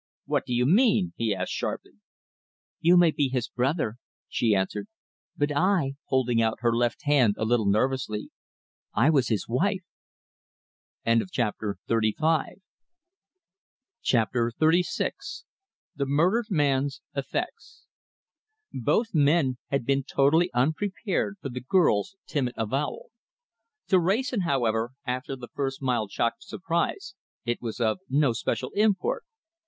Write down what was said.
"What do you mean?" he asked sharply. "You may be his brother," she answered, "but I," holding out her left hand a little nervously, "I was his wife!" CHAPTER XXXVI THE MURDERED MAN'S EFFECTS Both men had been totally unprepared for the girl's timid avowal. To Wrayson, however, after the first mild shock of surprise, it was of no special import.